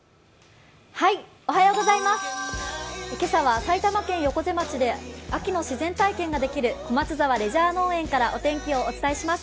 はい、今朝は埼玉県横瀬町で秋の自然体験ができる小松沢レジャー農園からお天気をお伝えします。